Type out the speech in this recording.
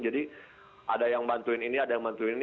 jadi ada yang bantuin ini ada yang bantuin ini